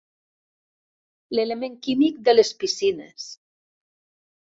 L'element químic de les piscines.